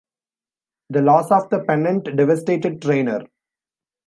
The loss of the pennant devastated Traynor.